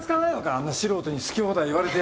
あんな素人に好き放題言われて。